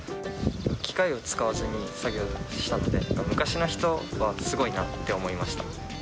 機械を使わずに作業をしたので、昔の人はすごいなって思いました。